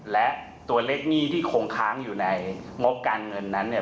และตัวเลขหนี้ที่คงค้างอยู่ในงบการเงินนั้นเนี่ย